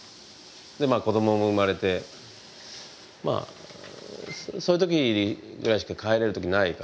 でまあ子どもも生まれてまあそういう時ぐらいしか帰れる時ないからですね。